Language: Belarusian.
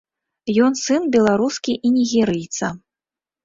Ён сын беларускі і нігерыйца.